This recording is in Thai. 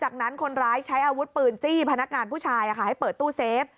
จากนั้นคนร้ายใช้อาวุธปืนจี้พนักงานผู้ชายให้เปิดตู้เซฟ